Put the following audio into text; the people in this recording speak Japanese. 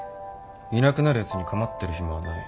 いなくなるやつに構ってる暇はない。